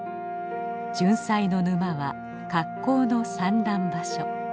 ジュンサイの沼は格好の産卵場所。